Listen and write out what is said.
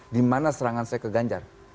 dimana serangan saya ke ganjar